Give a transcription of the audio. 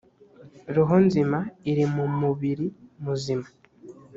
roho nzima iri mu mubiri muzima